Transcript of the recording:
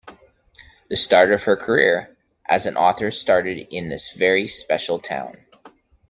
The start of her career as an author started in this very special town.